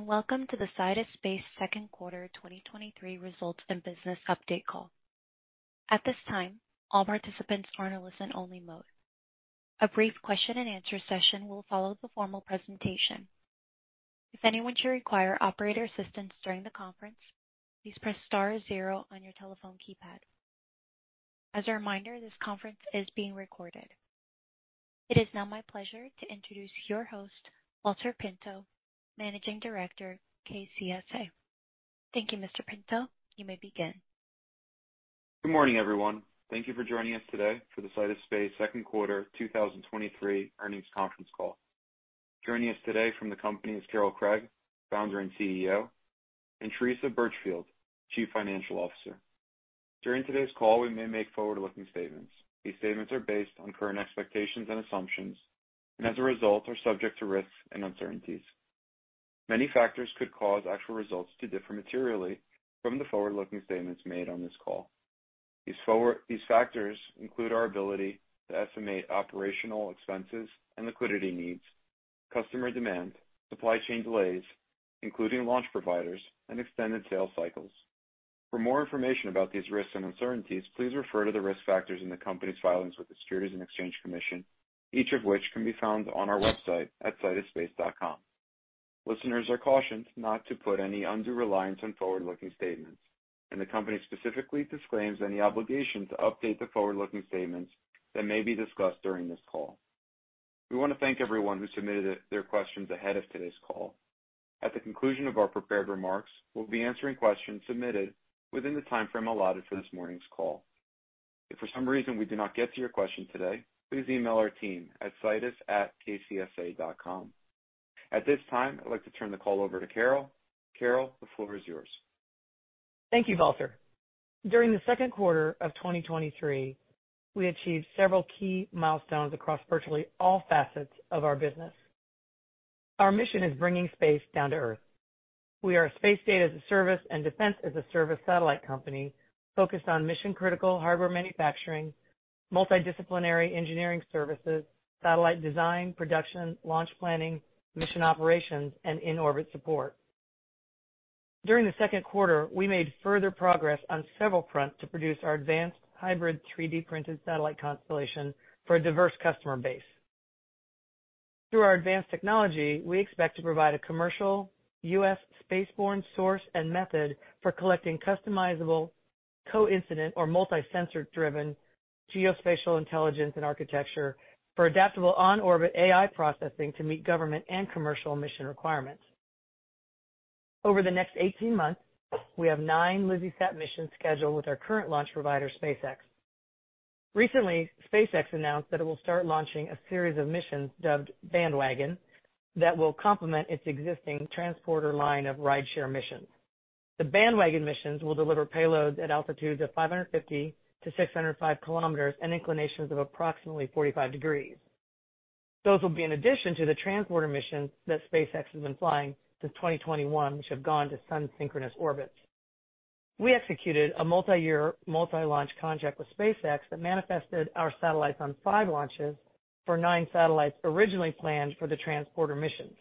Welcome to the Sidus Space Second Quarter 2023 Results and Business Update Call. At this time, all participants are in a listen-only mode. A brief question and answer session will follow the formal presentation. If anyone should require operator assistance during the conference, please press star zero on your telephone keypad. As a reminder, this conference is being recorded. It is now my pleasure to introduce your host, Valter Pinto, Managing Director, KCSA. Thank you, Mr. Pinto. You may begin. Good morning, everyone. Thank you for joining us today for the Sidus Space Second Quarter 2023 earnings conference call. Joining us today from the company is Carol Craig, Founder and CEO, and Teresa Burchfield, Chief Financial Officer. During today's call, we may make forward-looking statements. These statements are based on current expectations and assumptions and as a result, are subject to risks and uncertainties. Many factors could cause actual results to differ materially from the forward-looking statements made on this call. These factors include our ability to estimate operational expenses and liquidity needs, customer demand, supply chain delays, including launch providers and extended sales cycles. For more information about these risks and uncertainties, please refer to the risk factors in the company's filings with the Securities and Exchange Commission, each of which can be found on our website at sidusspace.com. Listeners are cautioned not to put any undue reliance on forward-looking statements, and the company specifically disclaims any obligation to update the forward-looking statements that may be discussed during this call. We want to thank everyone who submitted their questions ahead of today's call. At the conclusion of our prepared remarks, we'll be answering questions submitted within the timeframe allotted for this morning's call. If for some reason we do not get to your question today, please email our team at sidus@kcsa.com. At this time, I'd like to turn the call over to Carol. Carol, the floor is yours. Thank you, Valter. During the second quarter of 2023, we achieved several key milestones across virtually all facets of our business. Our mission is bringing space down to Earth. We are a Space Data-as-a-Service and Defense-as-a-Service satellite company focused on mission-critical hardware manufacturing, multidisciplinary engineering services, satellite design, production, launch planning, mission operations, and in-orbit support. During the second quarter, we made further progress on several fronts to produce our advanced hybrid 3D-printed satellite constellation for a diverse customer base. Through our advanced technology, we expect to provide a commercial U.S. spaceborne source and method for collecting customizable, coincident, or multi-sensor-driven geospatial intelligence and architecture for adaptable on-orbit AI processing to meet government and commercial mission requirements. Over the next 18 months, we have nine LizzieSat missions scheduled with our current launch provider, SpaceX. Recently, SpaceX announced that it will start launching a series of missions dubbed Bandwagon, that will complement its existing Transporter line of rideshare missions. The Bandwagon missions will deliver payloads at altitudes of 550-605 km and inclinations of approximately 45 degrees. Those will be in addition to the Transporter missions that SpaceX has been flying since 2021, which have gone to sun-synchronous orbits. We executed a multi-year, multi-launch contract with SpaceX that manifested our satellites on 5 launches for 9 satellites originally planned for the Transporter missions.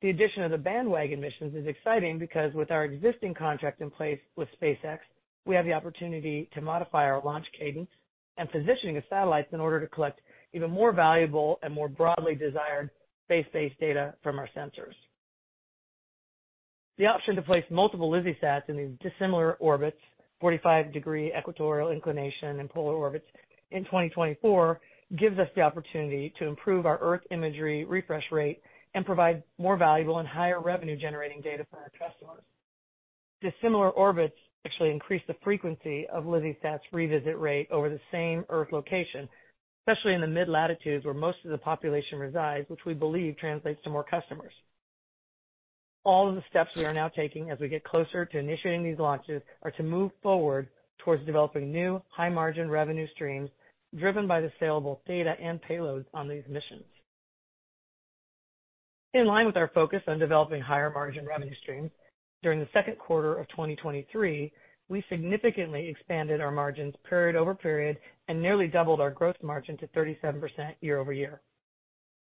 The addition of the Bandwagon missions is exciting because with our existing contract in place with SpaceX, we have the opportunity to modify our launch cadence and positioning of satellites in order to collect even more valuable and more broadly desired space-based data from our sensors. The option to place multiple LizzieSats in these dissimilar orbits, 45-degree equatorial inclination and polar orbits in 2024, gives us the opportunity to improve our Earth imagery refresh rate and provide more valuable and higher revenue-generating data for our customers. Dissimilar orbits actually increase the frequency of LizzieSat's revisit rate over the same Earth location, especially in the mid-latitudes where most of the population resides, which we believe translates to more customers. All of the steps we are now taking as we get closer to initiating these launches are to move forward towards developing new, high-margin revenue streams driven by the saleable data and payloads on these missions. In line with our focus on developing higher-margin revenue streams, during the second quarter of 2023, we significantly expanded our margins period-over-period and nearly doubled our gross margin to 37% year-over-year.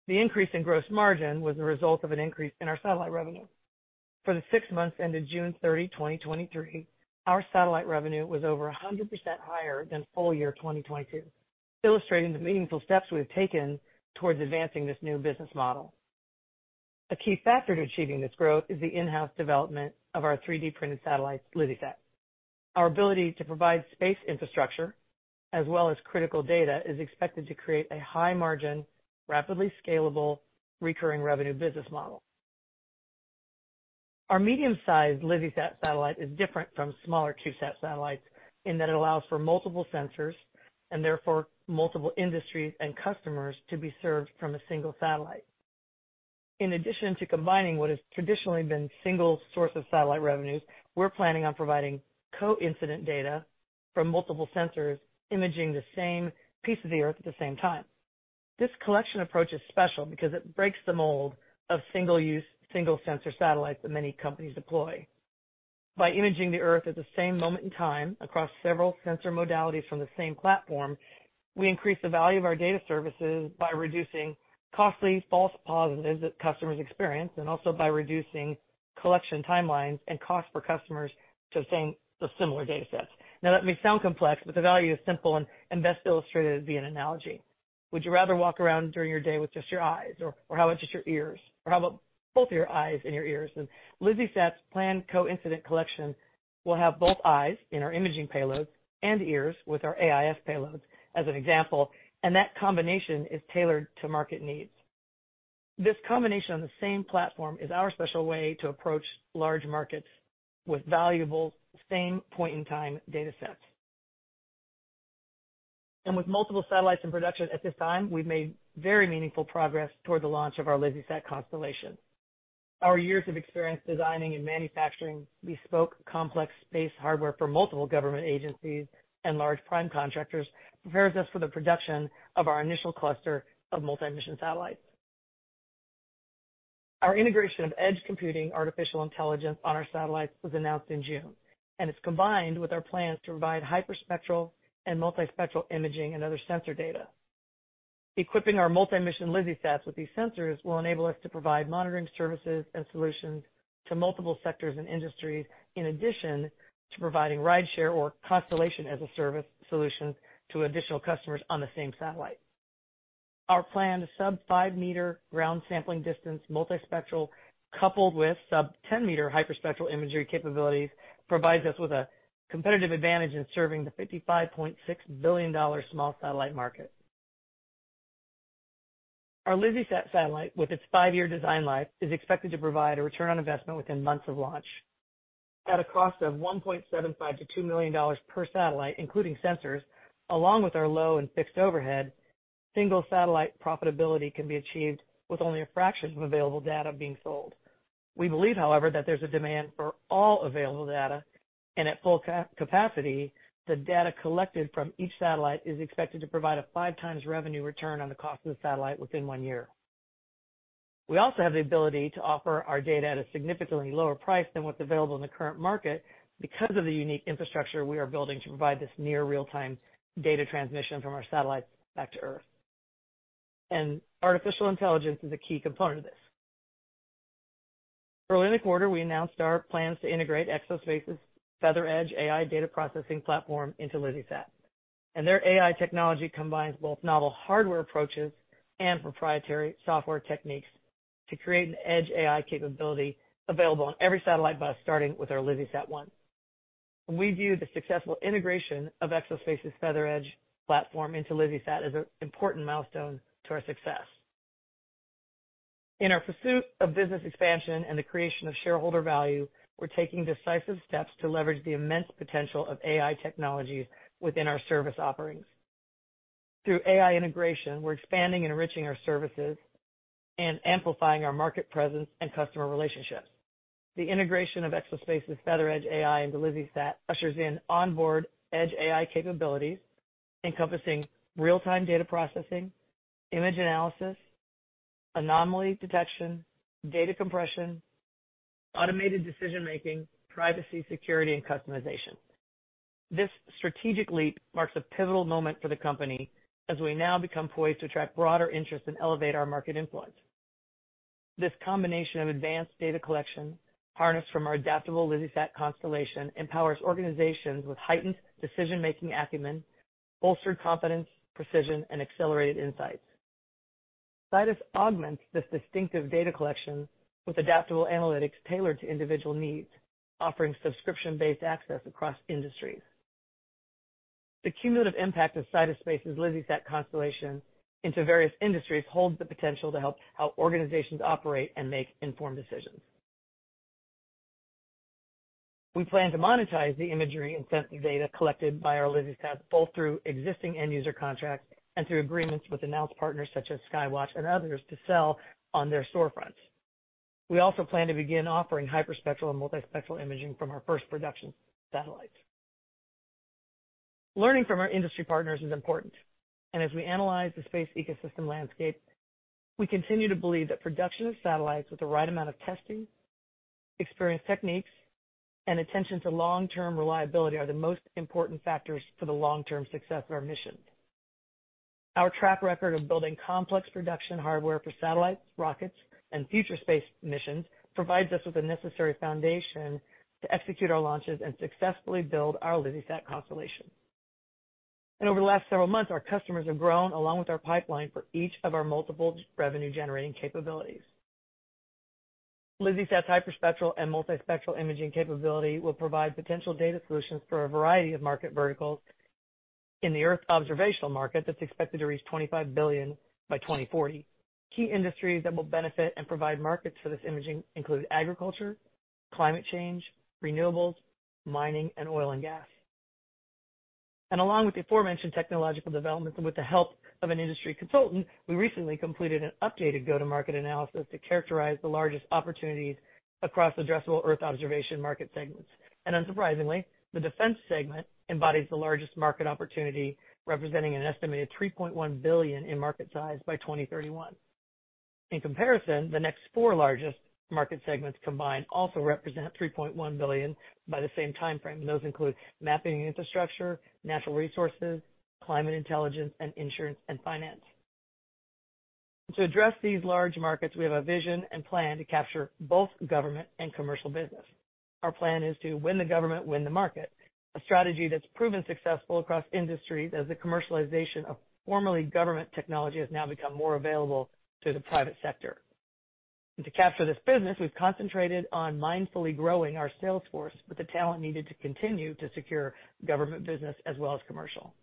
The increase in gross margin was the result of an increase in our satellite revenue. For the 6 months ended June 30, 2023, our satellite revenue was over 100% higher than full year 2022, illustrating the meaningful steps we've taken towards advancing this new business model. A key factor to achieving this growth is the in-house development of our 3D-printed satellite, LizzieSat. Our ability to provide space infrastructure as well as critical data, is expected to create a high-margin, rapidly scalable, recurring revenue business model. Our medium-sized LizzieSat satellite is different from smaller CubeSat satellites in that it allows for multiple sensors and therefore multiple industries and customers to be served from a single satellite. In addition to combining what has traditionally been single source of satellite revenues, we're planning on providing coincident data from multiple sensors imaging the same piece of the Earth at the same time. This collection approach is special because it breaks the mold of single-use, single-sensor satellites that many companies deploy. By imaging the Earth at the same moment in time across several sensor modalities from the same platform, we increase the value of our data services by reducing costly false positives that customers experience, also by reducing collection timelines and cost for customers to obtain the similar data sets. That may sound complex, but the value is simple and best illustrated via an analogy. Would you rather walk around during your day with just your eyes, or how about just your ears? How about both your eyes and your ears? LizzieSat's planned coincident collection will have both eyes in our imaging payloads and ears with our AIS payloads, as an example, that combination is tailored to market needs. This combination on the same platform is our special way to approach large markets with valuable, same point-in-time data sets. With multiple satellites in production at this time, we've made very meaningful progress toward the launch of our LizzieSat constellation. Our years of experience designing and manufacturing bespoke complex space hardware for multiple government agencies and large prime contractors prepares us for the production of our initial cluster of multi-mission satellites. Our integration of edge computing artificial intelligence on our satellites was announced in June, it's combined with our plans to provide hyperspectral and multispectral imaging and other sensor data. Equipping our multi-mission LizzieSats with these sensors will enable us to provide monitoring services and solutions to multiple sectors and industries, in addition to providing rideshare or constellation-as-a-service solution to additional customers on the same satellite. Our planned sub-5-meter ground sampling distance multispectral, coupled with sub-10-meter hyperspectral imagery capabilities, provides us with a competitive advantage in serving the $55.6 billion small satellite market. Our LizzieSat satellite, with its 5-year design life, is expected to provide a return on investment within months of launch. At a cost of $1.75 million-$2 million per satellite, including sensors, along with our low and fixed overhead, single satellite profitability can be achieved with only a fraction of available data being sold. We believe, however, that there's a demand for all available data, and at full capacity, the data collected from each satellite is expected to provide a 5 times revenue return on the cost of the satellite within one year. We also have the ability to offer our data at a significantly lower price than what's available in the current market because of the unique infrastructure we are building to provide this near real-time data transmission from our satellites back to Earth. Artificial intelligence is a key component of this. Early in the quarter, we announced our plans to integrate Exo-Space's FeatherEdge AI data processing platform into LizzieSat. Their AI technology combines both novel hardware approaches and proprietary software techniques to create an edge AI capability available on every satellite bus, starting with our LizzieSat-1. We view the successful integration of Exo-Space's FeatherEdge platform into LizzieSat as an important milestone to our success. In our pursuit of business expansion and the creation of shareholder value, we're taking decisive steps to leverage the immense potential of AI technologies within our service offerings. Through AI integration, we're expanding and enriching our services and amplifying our market presence and customer relationships. The integration of Exo-Space's FeatherEdge AI into LizzieSat ushers in onboard edge AI capabilities, encompassing real-time data processing, image analysis, anomaly detection, data compression, automated decision-making, privacy, security, and customization. This strategic leap marks a pivotal moment for the company as we now become poised to attract broader interest and elevate our market influence. This combination of advanced data collection, harnessed from our adaptable LizzieSat constellation, empowers organizations with heightened decision-making acumen, bolstered confidence, precision, and accelerated insights. Sidus augments this distinctive data collection with adaptable analytics tailored to individual needs, offering subscription-based access across industries. The cumulative impact of Sidus Space's LizzieSat constellation into various industries holds the potential to help how organizations operate and make informed decisions. We plan to monetize the imagery and sensing data collected by our LizzieSat, both through existing end user contracts and through agreements with announced partners such as SkyWatch and others, to sell on their storefronts. We also plan to begin offering hyperspectral and multispectral imaging from our first production satellites. Learning from our industry partners is important. As we analyze the space ecosystem landscape, we continue to believe that production of satellites with the right amount of testing, experienced techniques, and attention to long-term reliability are the most important factors for the long-term success of our mission. Our track record of building complex production hardware for satellites, rockets, and future space missions provides us with the necessary foundation to execute our launches and successfully build our LizzieSat constellation. Over the last several months, our customers have grown along with our pipeline for each of our multiple revenue-generating capabilities. LizzieSat's hyperspectral and multispectral imaging capability will provide potential data solutions for a variety of market verticals in the Earth observational market that's expected to reach $25 billion by 2040. Key industries that will benefit and provide markets for this imaging include agriculture, climate change, renewables, mining, and oil and gas. Along with the aforementioned technological developments, and with the help of an industry consultant, we recently completed an updated go-to-market analysis to characterize the largest opportunities across addressable Earth observation market segments. Unsurprisingly, the Defense segment embodies the largest market opportunity, representing an estimated $3.1 billion in market size by 2031. In comparison, the next four largest market segments combined also represent $3.1 billion by the same time frame. Those include mapping infrastructure, natural resources, climate intelligence, and insurance and finance. To address these large markets, we have a vision and plan to capture both government and commercial business. Our plan is to win the government, win the market, a strategy that's proven successful across industries as the commercialization of formerly government technology has now become more available to the private sector. To capture this business, we've concentrated on mindfully growing our sales force with the talent needed to continue to secure government business as well as commercial.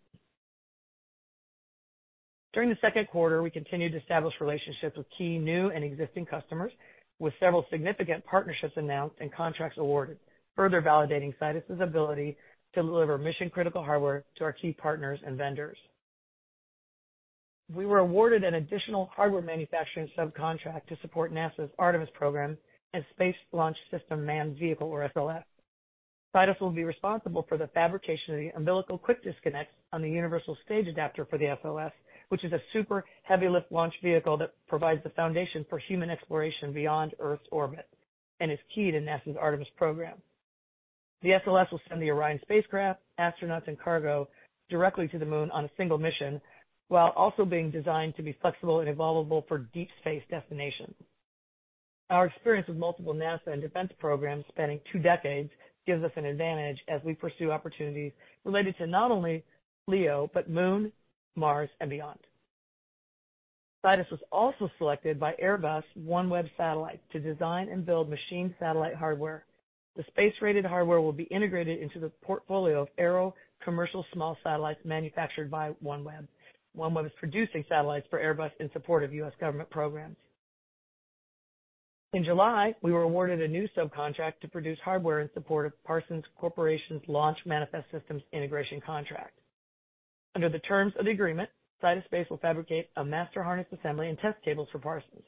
During the second quarter, we continued to establish relationships with key new and existing customers, with several significant partnerships announced and contracts awarded, further validating Sidus's ability to deliver mission-critical hardware to our key partners and vendors. We were awarded an additional hardware manufacturing subcontract to support NASA's Artemis program and Space Launch System manned vehicle, or SLS. Sidus will be responsible for the fabrication of the umbilical quick disconnect on the Universal Stage Adapter for the SLS, which is a super heavy-lift launch vehicle that provides the foundation for human exploration beyond Earth's orbit and is key to NASA's Artemis program. The SLS will send the Orion spacecraft, astronauts, and cargo directly to the Moon on a single mission, while also being designed to be flexible and evolvable for deep space destinations. Our experience with multiple NASA and defense programs spanning two decades gives us an advantage as we pursue opportunities related to not only LEO, but Moon, Mars, and beyond. Sidus was also selected by Airbus OneWeb Satellites to design and build machined satellite hardware. The space-rated hardware will be integrated into the portfolio of Arrow commercial small satellites manufactured by OneWeb. OneWeb is producing satellites for Airbus in support of U.S. government programs. In July, we were awarded a new subcontract to produce hardware in support of Parsons Corporation's Launch Manifest Systems Integration contract. Under the terms of the agreement, Sidus Space will fabricate a master harness assembly and test tables for Parsons.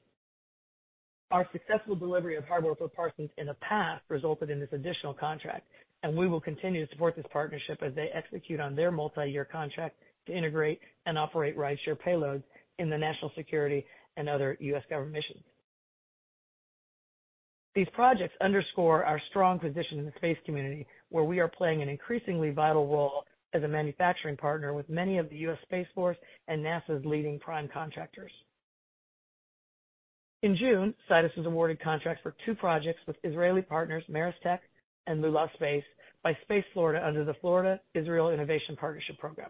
Our successful delivery of hardware for Parsons in the past resulted in this additional contract, and we will continue to support this partnership as they execute on their multiyear contract to integrate and operate rideshare payloads in the national security and other U.S. government missions. These projects underscore our strong position in the space community, where we are playing an increasingly vital role as a manufacturing partner with many of the U.S. Space Force and NASA's leading prime contractors. In June, Sidus was awarded contracts for 2 projects with Israeli partners, Maris-Tech and Lulav Space, by Space Florida under the Florida-Israel Innovation Partnership Program.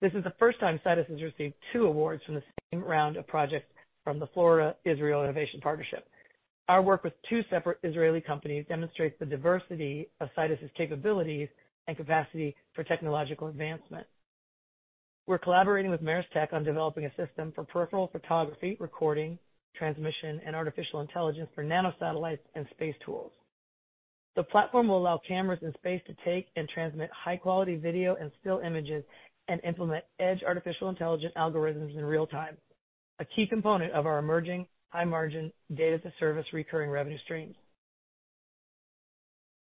This is the first time Sidus has received two awards from the same round of projects from the Florida-Israel Innovation Partnership. Our work with two separate Israeli companies demonstrates the diversity of Sidus's capabilities and capacity for technological advancement. We're collaborating with Maris-Tech on developing a system for peripheral photography, recording, transmission, and artificial intelligence for nanosatellites and space tools. The platform will allow cameras in space to take and transmit high-quality video and still images and implement edge artificial intelligence algorithms in real time, a key component of our emerging high-margin data-as-a-service recurring revenue streams.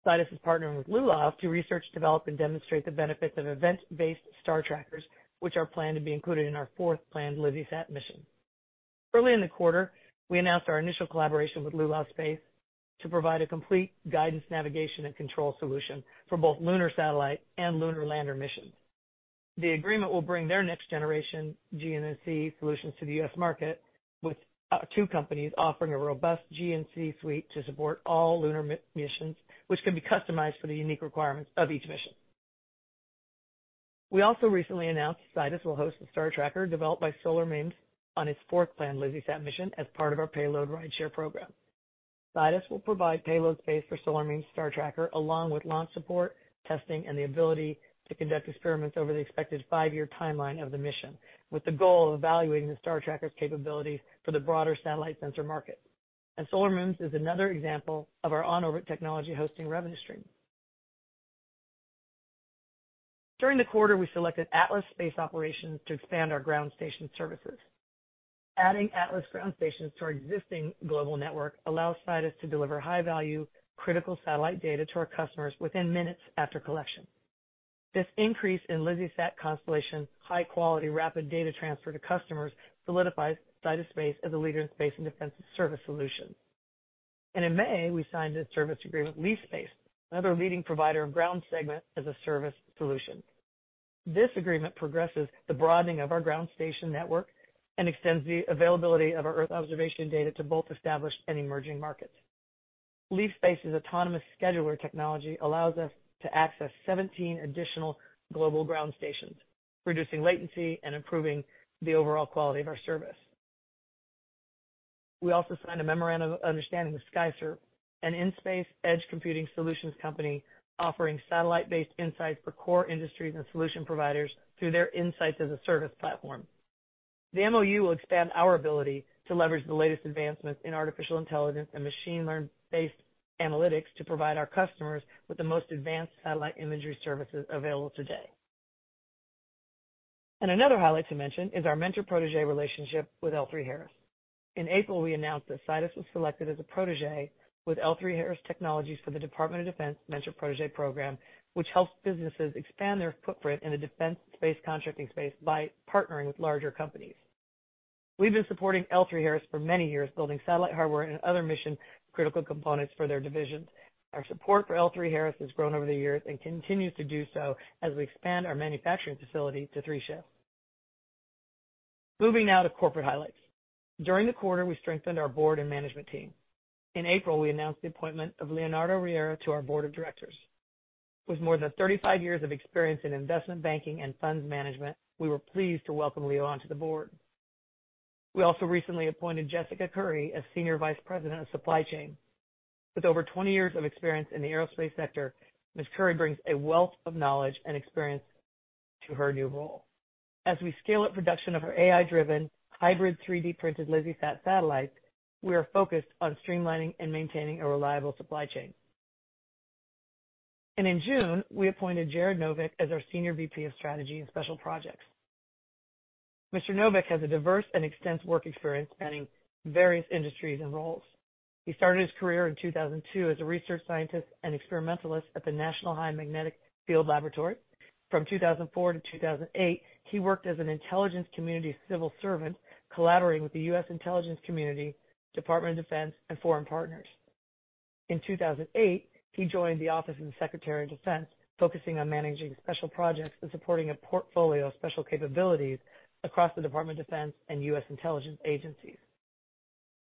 Sidus is partnering with Lulav to research, develop, and demonstrate the benefits of event-based star trackers, which are planned to be included in our fourth planned LizzieSat mission. Early in the quarter, we announced our initial collaboration with Lulav Space to provide a complete guidance, navigation, and control solution for both lunar satellite and lunar lander missions. The agreement will bring their next-generation GNC solutions to the U.S. market, with two companies offering a robust GNC suite to support all lunar missions, which can be customized for the unique requirements of each mission. We also recently announced Sidus will host the star tracker developed by Solar MEMS on its fourth planned LizzieSat mission as part of our payload rideshare program. Sidus will provide payload space for Solar MEMS' star tracker, along with launch support, testing, and the ability to conduct experiments over the expected five-year timeline of the mission, with the goal of evaluating the star tracker's capabilities for the broader satellite sensor market. Solar MEMS is another example of our on-orbit technology hosting revenue stream. During the quarter, we selected ATLAS Space Operations to expand our ground station services. Adding ATLAS Space Operations ground stations to our existing global network allows Sidus Space to deliver high-value, critical satellite data to our customers within minutes after collection. This increase in LizzieSat constellation, high quality, rapid data transfer to customers solidifies Sidus Space as a leader in space and defense service solutions. In May, we signed a service agreement with Leaf Space, another leading provider of Ground Segment as a Service solution. This agreement progresses the broadening of our ground station network and extends the availability of our Earth observation data to both established and emerging markets. Leaf Space's autonomous scheduler technology allows us to access 17 additional global ground stations, reducing latency and improving the overall quality of our service. We also signed a memorandum of understanding with SkyServe, an in-space edge computing solutions company, offering satellite-based insights for core industries and solution providers through their Insights-as-a-Service platform. The MOU will expand our ability to leverage the latest advancements in artificial intelligence and machine learn-based analytics to provide our customers with the most advanced satellite imagery services available today. Another highlight to mention is our Mentor-Protege relationship with L3Harris. In April, we announced that Sidus was selected as a protege with L3Harris Technologies for the Department of Defense Mentor-Protégé Program, which helps businesses expand their footprint in the defense space contracting space by partnering with larger companies. We've been supporting L3Harris for many years, building satellite hardware and other mission-critical components for their divisions. Our support for L3Harris has grown over the years and continues to do so as we expand our manufacturing facility to 3 shifts. Moving now to corporate highlights. During the quarter, we strengthened our board and management team. In April, we announced the appointment of Leonardo Riera to our board of directors. With more than 35 years of experience in investment banking and funds management, we were pleased to welcome Leo onto the board. We also recently appointed Jessica Curry as Senior Vice President of Supply Chain. With over 20 years of experience in the aerospace sector, Ms. Curry brings a wealth of knowledge and experience to her new role. As we scale up production of our AI-driven hybrid 3D-printed LizzieSat satellites, we are focused on streamlining and maintaining a reliable supply chain. In June, we appointed Jared Novick as our Senior Vice President of Strategy and Special Projects. Mr. Novick has a diverse and extensive work experience spanning various industries and roles. He started his career in 2002 as a research scientist and experimentalist at the National High Magnetic Field Laboratory. From 2004 to 2008, he worked as an intelligence community civil servant, collaborating with the U.S. Intelligence Community, Department of Defense, and foreign partners. In 2008, he joined the Office of the Secretary of Defense, focusing on managing special projects and supporting a portfolio of special capabilities across the Department of Defense and U.S. intelligence agencies.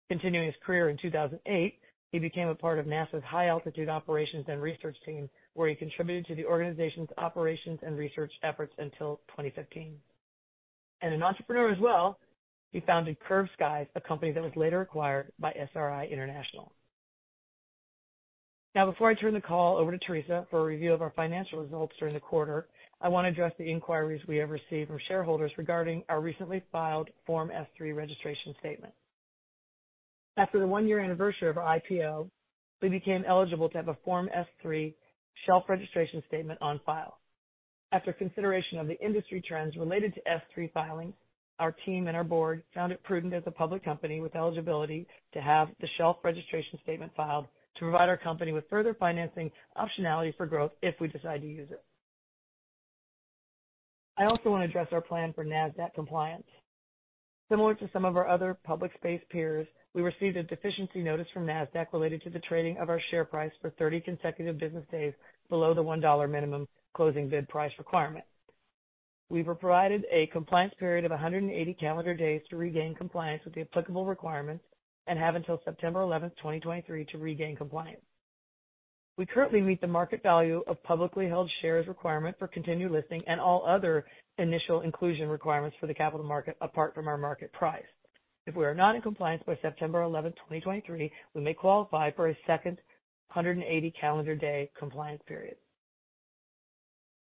Continuing his career in 2008, he became a part of NASA's High Altitude Operations and Research team, where he contributed to the organization's operations and research efforts until 2015. An entrepreneur as well, he founded Curved Skies, a company that was later acquired by Southern Research. Now, before I turn the call over to Teresa for a review of our financial results during the quarter, I want to address the inquiries we have received from shareholders regarding our recently filed Form S-3 registration statement. After the one-year anniversary of our IPO, we became eligible to have a Form S-3 shelf registration statement on file. After consideration of the industry trends related to S-3 filings, our team and our board found it prudent as a public company with eligibility to have the shelf registration statement filed to provide our company with further financing optionality for growth if we decide to use it. I also want to address our plan for NASDAQ compliance. Similar to some of our other public space peers, we received a deficiency notice from NASDAQ related to the trading of our share price for 30 consecutive business days below the $1 minimum closing bid price requirement. We were provided a compliance period of 180 calendar days to regain compliance with the applicable requirements and have until September 11, 2023, to regain compliance. We currently meet the market value of publicly held shares requirement for continued listing and all other initial inclusion requirements for the Capital Market, apart from our market price. If we are not in compliance by September 11, 2023, we may qualify for a second 180 calendar day compliance period.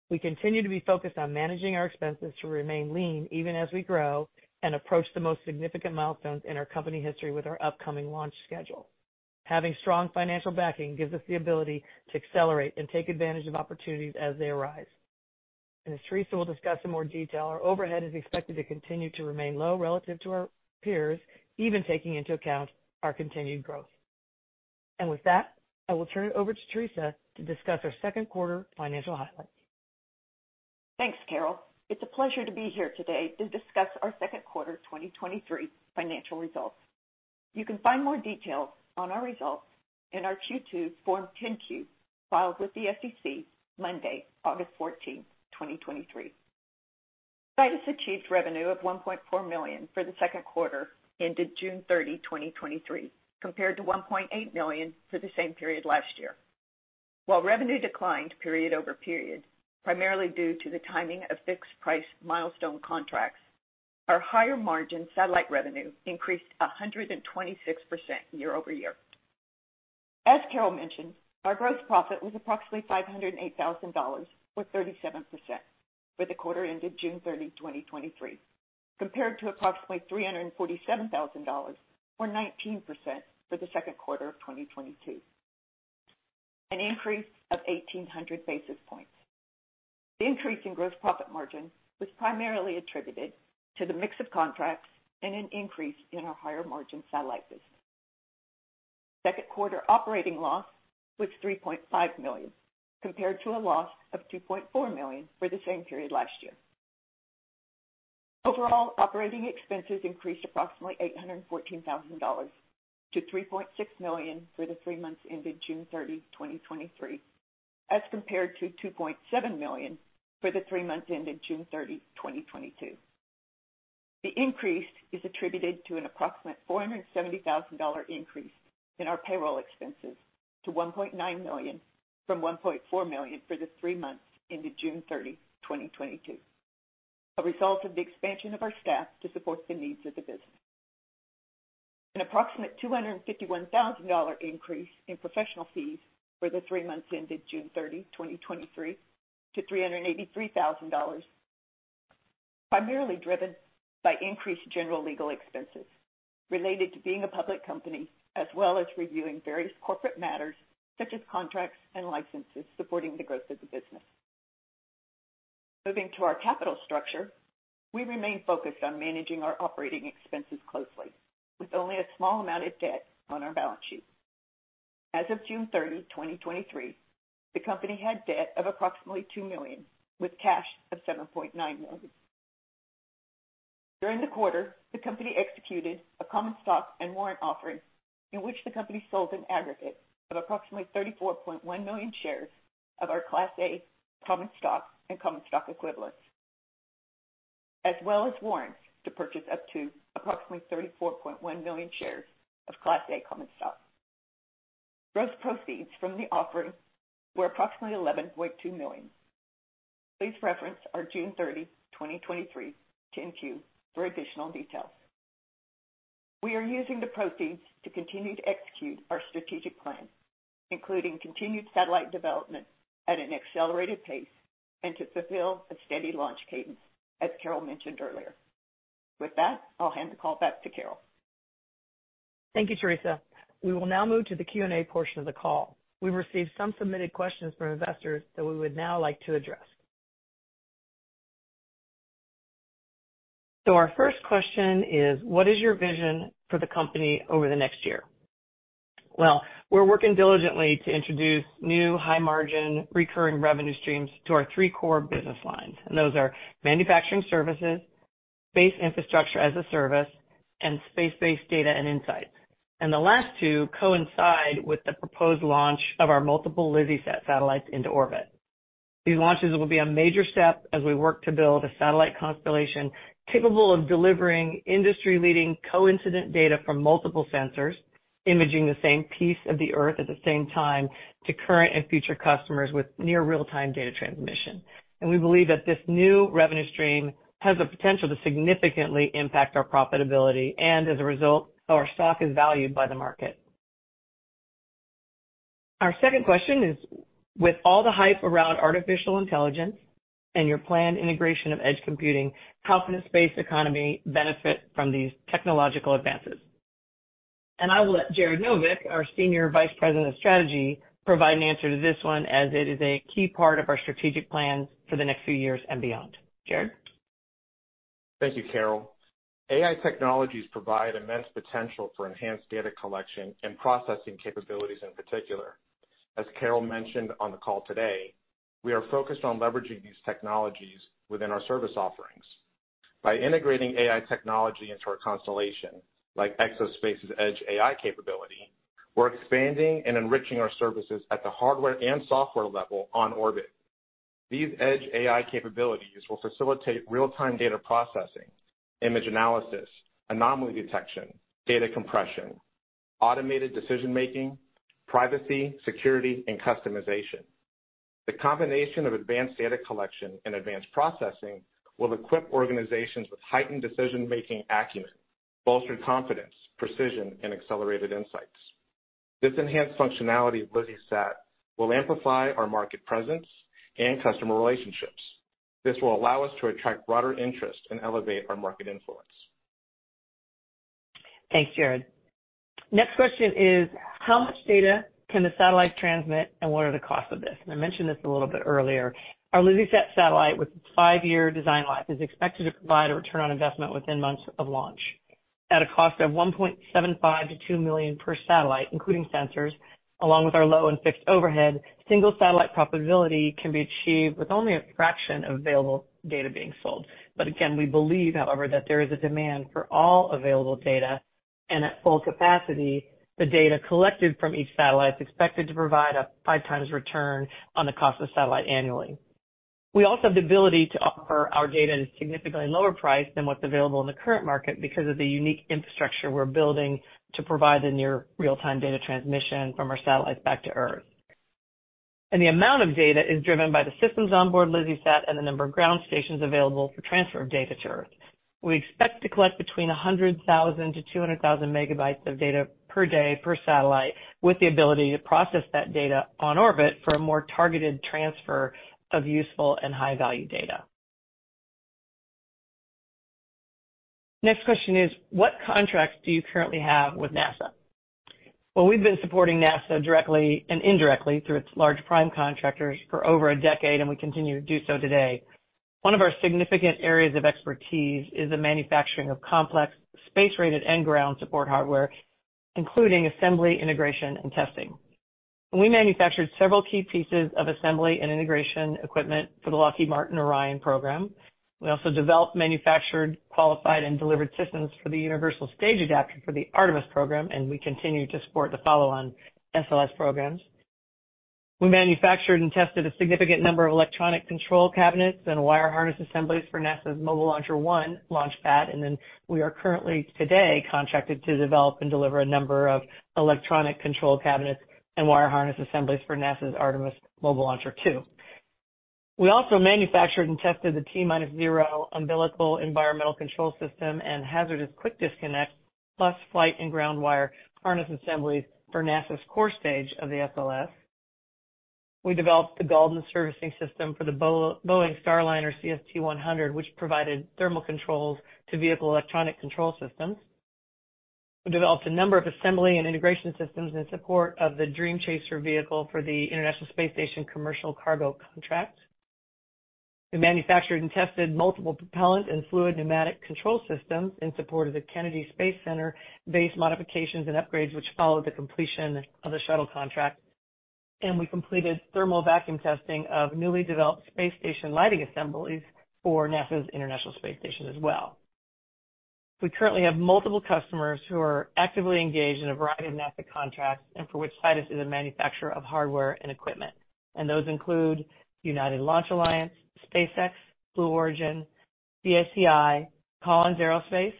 We continue to be focused on managing our expenses to remain lean, even as we grow and approach the most significant milestones in our company history with our upcoming launch schedule. Having strong financial backing gives us the ability to accelerate and take advantage of opportunities as they arise. As Teresa will discuss in more detail, our overhead is expected to continue to remain low relative to our peers, even taking into account our continued growth. With that, I will turn it over to Teresa to discuss our second quarter financial highlights. Thanks, Carol. It's a pleasure to be here today to discuss our second quarter 2023 financial results. You can find more details on our results in our Q2 Form 10-Q, filed with the SEC Monday, August 14, 2023. Sidus achieved revenue of $1.4 million for the second quarter ended June 30, 2023, compared to $1.8 million for the same period last year. While revenue declined period over period, primarily due to the timing of fixed-price milestone contracts, our higher-margin satellite revenue increased 126% year-over-year. As Carol mentioned, our gross profit was approximately $508,000, or 37%, for the quarter ended June 30, 2023, compared to approximately $347,000, or 19%, for the second quarter of 2022, an increase of 1,800 basis points. The increase in gross profit margin was primarily attributed to the mix of contracts and an increase in our higher-margin satellite business. Second quarter operating loss was $3.5 million, compared to a loss of $2.4 million for the same period last year. Overall, operating expenses increased approximately $814,000 to $3.6 million for the three months ended June 30, 2023, as compared to $2.7 million for the three months ended June 30, 2022. The increase is attributed to an approximate $470,000 increase in our payroll expenses to $1.9 million from $1.4 million for the three months ended June 30, 2022, a result of the expansion of our staff to support the needs of the business. An approximate $251,000 increase in professional fees for the 3 months ended June 30, 2023, to $383,000, primarily driven by increased general legal expenses related to being a public company, as well as reviewing various corporate matters such as contracts and licenses supporting the growth of the business. Moving to our capital structure, we remain focused on managing our operating expenses closely, with only a small amount of debt on our balance sheet. As of June 30, 2023, the company had debt of approximately $2 million, with cash of $7.9 million. During the quarter, the company executed a common stock and warrant offering, in which the company sold an aggregate of approximately 34.1 million shares of our Class A common stock and common stock equivalents, as well as warrants to purchase up to approximately 34.1 million shares of Class A common stock. Gross proceeds from the offering were approximately $11.2 million. Please reference our June 30th, 2023, 10-Q for additional details. We are using the proceeds to continue to execute our strategic plan, including continued satellite development at an accelerated pace and to fulfill a steady launch cadence, as Carol mentioned earlier. With that, I'll hand the call back to Carol. Thank you, Teresa. We will now move to the Q&A portion of the call. We've received some submitted questions from investors that we would now like to address. Our first question is: what is your vision for the company over the next year? Well, we're working diligently to introduce new high-margin, recurring revenue streams to our three core business lines, and those are manufacturing services, space infrastructure as a service, and space-based data and insights. The last two coincide with the proposed launch of our multiple LizzieSat satellites into orbit. These launches will be a major step as we work to build a satellite constellation capable of delivering industry-leading coincident data from multiple sensors, imaging the same piece of the Earth at the same time to current and future customers with near real-time data transmission. We believe that this new revenue stream has the potential to significantly impact our profitability, and as a result, our stock is valued by the market. Our second question is: with all the hype around artificial intelligence and your planned integration of edge computing, how can the space economy benefit from these technological advances? I will let Jared Novick, our Senior Vice President of Strategy, provide an answer to this one, as it is a key part of our strategic plan for the next few years and beyond. Jared? Thank you, Carol. AI technologies provide immense potential for enhanced data collection and processing capabilities in particular. As Carol mentioned on the call today, we are focused on leveraging these technologies within our service offerings. By integrating AI technology into our constellation, like Exo-Space's Edge AI capability, we're expanding and enriching our services at the hardware and software level on orbit. These Edge AI capabilities will facilitate real-time data processing, image analysis, anomaly detection, data compression, automated decision-making, privacy, security, and customization. The combination of advanced data collection and advanced processing will equip organizations with heightened decision-making acumen, bolster confidence, precision, and accelerated insights. This enhanced functionality of LizzieSat will amplify our market presence and customer relationships. This will allow us to attract broader interest and elevate our market influence. Thanks, Jared. Next question is: how much data can the satellite transmit, and what are the costs of this? I mentioned this a little bit earlier. Our LizzieSat satellite, with its five-year design life, is expected to provide a return on investment within months of launch. At a cost of $1.75 million-$2 million per satellite, including sensors, along with our low and fixed overhead, single satellite profitability can be achieved with only a fraction of available data being sold. Again, we believe, however, that there is a demand for all available data, and at full capacity, the data collected from each satellite is expected to provide a five times return on the cost of the satellite annually. We also have the ability to offer our data at a significantly lower price than what's available in the current market because of the unique infrastructure we're building to provide the near real-time data transmission from our satellites back to Earth. The amount of data is driven by the systems on board LizzieSat and the number of ground stations available for transfer of data to Earth. We expect to collect between 100,000 to 200,000 megabytes of data per day per satellite, with the ability to process that data on orbit for a more targeted transfer of useful and high-value data. Next question is: what contracts do you currently have with NASA? Well, we've been supporting NASA directly and indirectly through its large prime contractors for over a decade, and we continue to do so today. One of our significant areas of expertise is the manufacturing of complex space-rated and ground support hardware, including assembly, integration, and testing. We manufactured several key pieces of assembly and integration equipment for the Lockheed Martin Orion program. We also developed, manufactured, qualified, and delivered systems for the Universal Stage Adapter for the Artemis program, and we continue to support the follow-on SLS programs. We manufactured and tested a significant number of electronic control cabinets and wire harness assemblies for NASA's Mobile Launcher 1 launchpad, and we are currently today contracted to develop and deliver a number of electronic control cabinets and wire harness assemblies for NASA's Artemis Mobile Launcher 2. We also manufactured and tested the T-minus 0 umbilical environmental control system and hazardous quick disconnect, plus flight and ground wire harness assemblies for NASA's Core Stage of the SLS. We developed the Galden Servicing System for the Boeing Starliner CST-100, which provided thermal controls to vehicle electronic control systems. We developed a number of assembly and integration systems in support of the Dream Chaser vehicle for the International Space Station commercial cargo contract. We manufactured and tested multiple propellant and fluid pneumatic control systems in support of the Kennedy Space Center base modifications and upgrades, which followed the completion of the shuttle contract. We completed thermal vacuum testing of newly developed space station lighting assemblies for NASA's International Space Station as well. We currently have multiple customers who are actively engaged in a variety of NASA contracts, and for which Sidus is a manufacturer of hardware and equipment. Those include United Launch Alliance, SpaceX, Blue Origin, CACI, Collins Aerospace,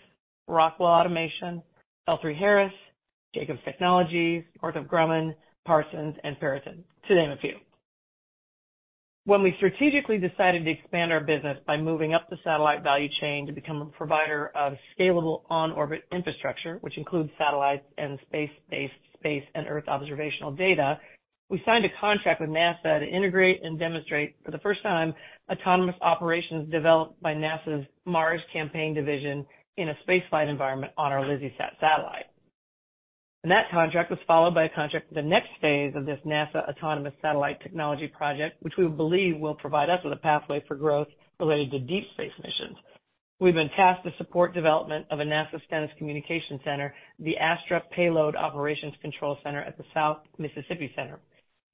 Rockwell Automation, L3Harris, Jacobs Technology, Northrop Grumman, Parsons, and Peraton, to name a few. When we strategically decided to expand our business by moving up the satellite value chain to become a provider of scalable on-orbit infrastructure, which includes satellites and space-based space and Earth observational data, we signed a contract with NASA to integrate and demonstrate for the first time, autonomous operations developed by NASA's Mars Campaign Development Division in a space flight environment on our LizzieSat satellite. That contract was followed by a contract for the next phase of this NASA autonomous satellite technology project, which we believe will provide us with a pathway for growth related to deep space missions. We've been tasked to support development of a NASA Stennis Space Center communication center, the ASTRA Payload Operations Control Center at the south Mississippi center.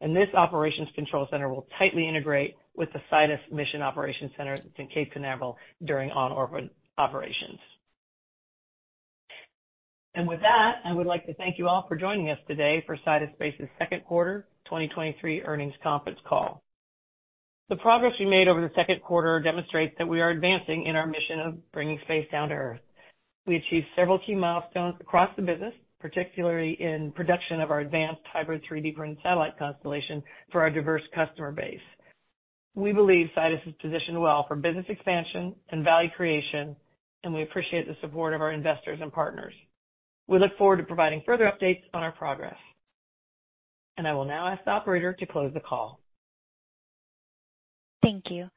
This operations control center will tightly integrate with the Sidus Mission Operations Center that's in Cape Canaveral during on-orbit operations. With that, I would like to thank you all for joining us today for Sidus Space's second quarter, 2023 earnings conference call. The progress we made over the second quarter demonstrates that we are advancing in our mission of bringing space down to Earth. We achieved several key milestones across the business, particularly in production of our advanced hybrid 3D-printed satellite constellation for our diverse customer base. We believe Sidus is positioned well for business expansion and value creation, and we appreciate the support of our investors and partners. We look forward to providing further updates on our progress. I will now ask the operator to close the call. Thank you.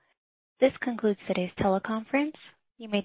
This concludes today's teleconference. You may disconnect.